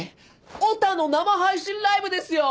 オタの生配信ライブですよ！